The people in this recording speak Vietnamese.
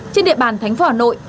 trên địa bàn thánh phở hà nội